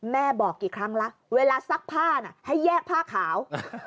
แม่บอกกี่ครั้งละเวลาซักผ้าน่ะให้แยกผ้าขาว